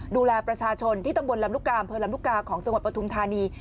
ดูแลประชาชนที่ตำบลลำลูกกามเผลอลำลูกกาของจังหวัดปทุมธานี